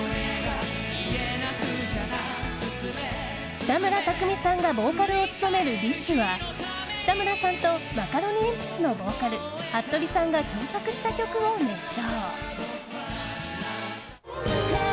北村匠海さんがボーカルを務めるＤＩＳＨ／／は北村さんとマカロニえんぴつのボーカルはっとりさんが共作した曲を熱唱。